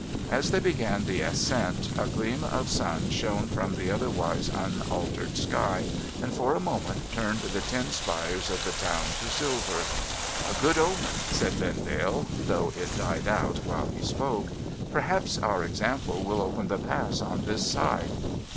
As they began the ascent, a gleam of sun shone from the other wise unaltered sky, and for a moment turned the tin spires of the town to silver. ' A good omen !' said Vendale (though it died out while he spoke). ' Perhaps our example will open the Pass on this side.'